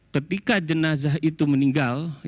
ketika jenazah itu meninggal